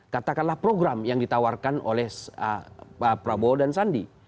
katakanlah program yang ditawarkan oleh pak prabowo dan sandi